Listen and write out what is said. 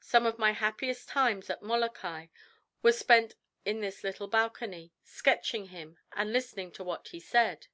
Some of my happiest times at Molokai were spent in this little balcony, sketching him and listening to what he said.